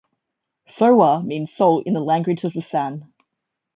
"Sowa" means salt in the language of the San.